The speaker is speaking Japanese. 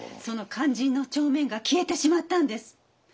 その肝心の帳面が消えてしまったんです！